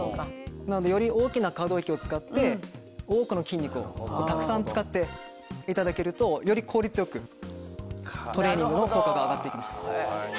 なのでより大きな可動域を使って多くの筋肉をたくさん使っていただけるとより効率よくトレーニングの効果が上がって行きます。